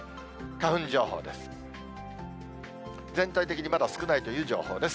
花粉情報です。